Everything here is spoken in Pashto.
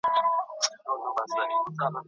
تا ته یې وویل چې جهاد دی، د ثواب جنګ دی